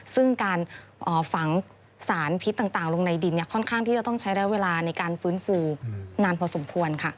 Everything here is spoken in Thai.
ซึ่งการฝังสารพิษต่างลงในดินค่อนข้างที่จะต้องใช้ระยะเวลาในการฟื้นฟูนานพอสมควรค่ะ